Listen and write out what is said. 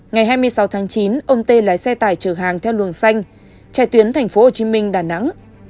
ngày hai mươi sáu tháng chín ông tê lái xe tải chở hàng theo luồng xanh chạy tuyến tp hcm đà nẵng